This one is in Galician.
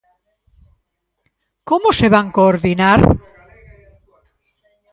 ¿Como se van coordinar?